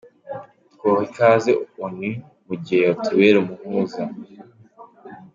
Twoha ikaze Onu mu gihe yotubera umuhuza.